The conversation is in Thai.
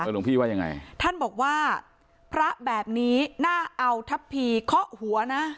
หลวงพี่ว่ายังไงท่านบอกว่าพระแบบนี้น่าเอาทัพพีเคาะหัวนะ